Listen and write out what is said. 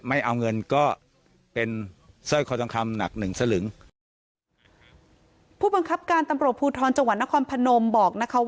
ไม่เอาเงินก็เป็นสร้อยคอทองคำหนักหนึ่งสลึงผู้บังคับการตำรวจภูทรจังหวัดนครพนมบอกนะคะว่า